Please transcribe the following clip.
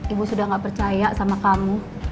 ibu sudah gak percaya sama kamu